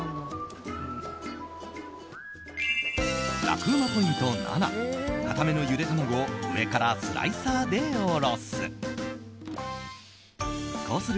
楽ウマポイント７硬めのゆで卵を上からスライサーでおろす。